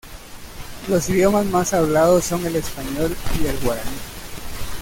Los idiomas más hablados son el español y el guaraní.